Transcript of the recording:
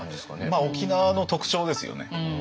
まあ沖縄の特徴ですよね。